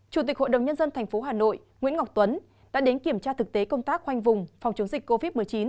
chủ tịch hội đồng nhân dân tp hà nội nguyễn ngọc tuấn đã đến kiểm tra thực tế công tác khoanh vùng phòng chống dịch covid một mươi chín